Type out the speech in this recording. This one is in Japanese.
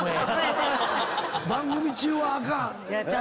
番組中はあかん。